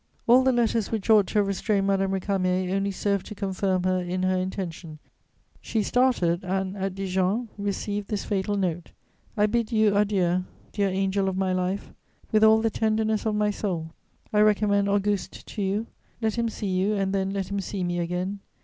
All the letters which ought to have restrained Madame Récamier only served to confirm her in her intention; she started and, at Dijon, received this fatal note: "I bid you adieu, dear angel of my life, with all the tenderness of my soul. I recommend Auguste to you: let him see you and then let him see me again.